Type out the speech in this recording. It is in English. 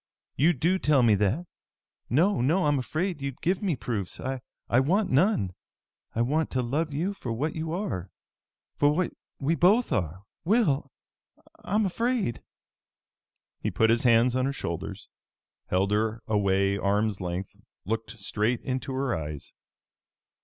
You do tell me that? No, no! I'm afraid you'd give me proofs! I want none! I want to love you for what you are, for what we both are, Will! I'm afraid!" He put his hands on her shoulders, held her away arms' length, looked straight into her eyes.